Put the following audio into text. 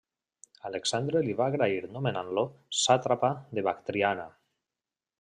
Alexandre li va agrair nomenant-lo sàtrapa de Bactriana.